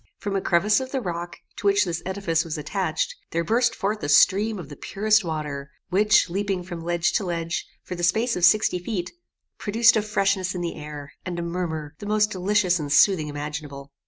From a crevice of the rock, to which this edifice was attached, there burst forth a stream of the purest water, which, leaping from ledge to ledge, for the space of sixty feet, produced a freshness in the air, and a murmur, the most delicious and soothing imaginable.